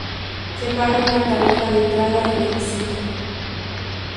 Se paga una tarifa de entrada y de visita.